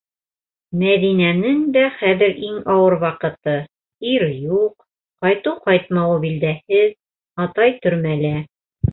Мәҙинәнең дә хәҙер иң ауыр ваҡыты: ир юҡ, ҡайтыу-ҡайтмауы билдәһеҙ; атай төрмәлә.